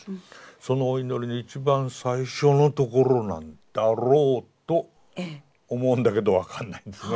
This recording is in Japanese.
そのお祈りの一番最初のところなんだろうと思うんだけど分かんないんですね。